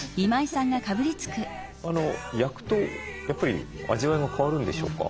焼くとやっぱり味わいが変わるんでしょうか？